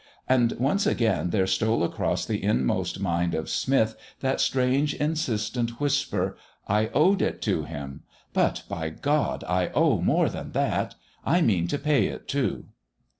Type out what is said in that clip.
And once again there stole across the inmost mind of Smith that strange, insistent whisper: "I owed it to him ... but, by God, I owe more than that ... I mean to pay it too...!"